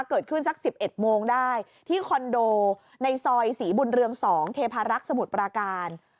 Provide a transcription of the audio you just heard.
สัก๑๑โมงได้ที่คอนโดในซอยศรีบุญเรือง๒เทพารักษ์สมุทรปราการ